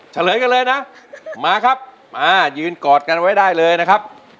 เฉลยกันเลยนะมาครับมายืนกอดกันไว้ได้เลยนะครับ